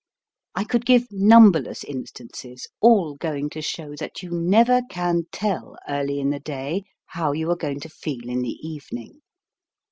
I could give numberless instances, all going to show that you never can tell early in the day how you are going to feel in the evening.